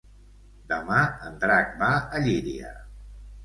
Demà en Drac va a Llíria.